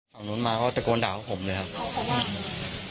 ฝั่งนู้นมาก็ตะโกนด่าพวกผมเลยครับ